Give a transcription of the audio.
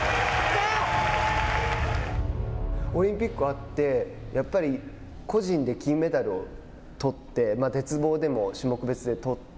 オリンピック終わって個人で金メダルを取って鉄棒でも種目別で取って。